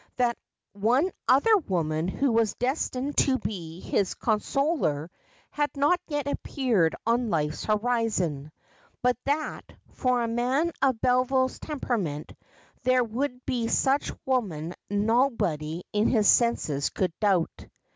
That one other woman who was destined to be his consoler had not yet appeared on life's horizon : but that, for a man of Beville's temperament, there would be such woman nobody in his senses could doubt.